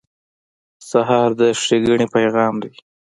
سهار د ښېګڼې پیغام دی.